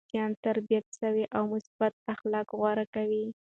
بچيان تربیت سوي او مثبت اخلاق غوره کوي.